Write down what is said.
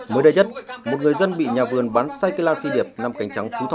mới đây nhất một người dân bị nhà vườn bán xay cây lan phi điệp nằm cánh trắng phú thọ